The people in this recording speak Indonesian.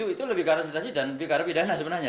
itu lebih ke arsentasi dan lebih ke arah pidana sebenarnya